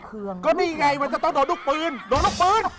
ก็นี่ไงมันจะต้องโดดลูกพื้นโดดลูกพื้น